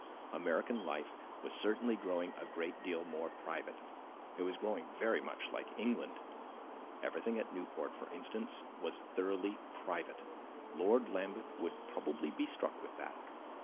American life was certainly growing a great deal more private; it was growing very much like England. Everything at Newport, for instance, was thoroughly private; Lord Lambeth would probably be struck with that.